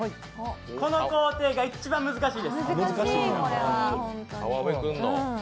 この工程が一番難しいです。